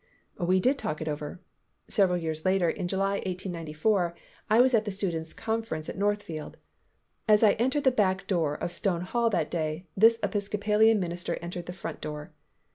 We did talk it over. Several years later, in July, 1894, I was at the students' conference at Northfield. As I entered the back door of Stone Hall that day, this Episcopalian minister entered the front door.